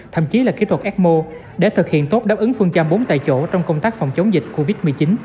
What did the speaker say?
thậm chí là kỹ thuật ecmo để thực hiện tốt đáp ứng phương châm bốn tại chỗ trong công tác phòng chống dịch covid một mươi chín